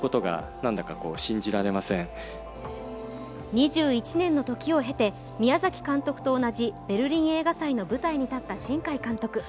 ２１年の時を経て宮崎監督と同じベルリン映画祭の舞台に立った新海監督。